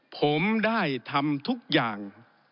ผมได้ทำทุกอย่าง